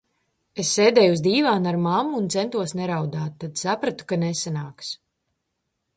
Es sēdēju uz dīvāna ar mammu un centos neraudāt, tad sapratu, ka nesanāks.